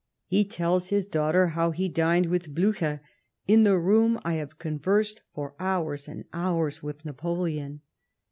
He tells his daughter how he dined with Bliicher " in the room I have conversed for hours and hours with Napoleon."